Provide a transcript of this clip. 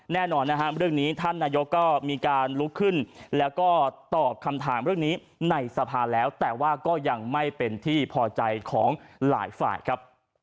แน่นอนนะฮะเรื่องนี้ท่านนายกก็มีการลุกขึ้นแล้วก็ตอบคำถามเรื่องนี้ในสภาแล้วแต่ว่าก็ยังไม่เป็นที่พอใจของหลายฝ่ายครับ